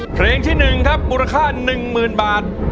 เพลงที่หนึ่งครับมูลค่าหนึ่งหมื่นบาท